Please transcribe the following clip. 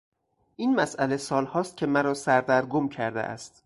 این مسئله سالهاست که مرا سردرگم کرده است.